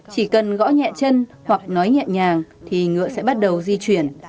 chỉ cần gõ nhẹ chân hoặc nói nhẹ nhàng thì ngựa sẽ bắt đầu di chuyển